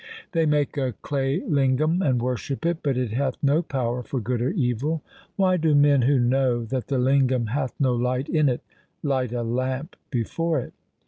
They make a clay lingam and worship it, but it hath no power for good or evil. Why do men who know that the lingam hath no light in it, light a lamp before it